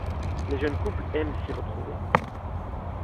Les jeunes couples aiment s'y retrouver.